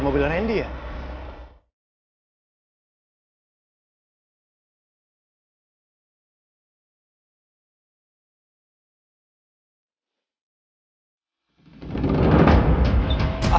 astagfirullahaladzim ya allah